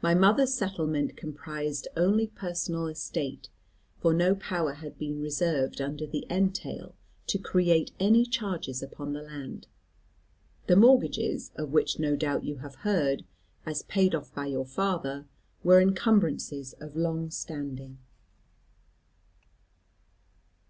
My mother's settlement comprised only personal estate, for no power had been reserved under the entail to create any charges upon the land. The mortgages, of which no doubt you have heard, as paid off by your father, were encumbrances of long standing.